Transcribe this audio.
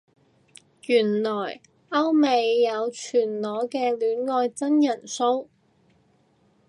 原來歐美有全裸嘅戀愛真人騷